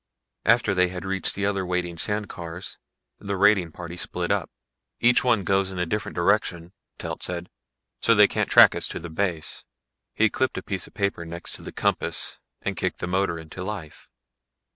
After they had reached the other waiting sand cars, the raiding party split up. "Each one goes in a different direction," Telt said, "so they can't track us to the base." He clipped a piece of paper next to the compass and kicked the motor into life.